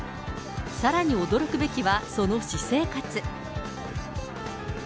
さらに驚くべきは、その私生活。